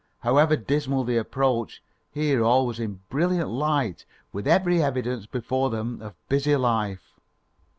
However dismal the approach, here all was in brilliant light with every evidence before them of busy life.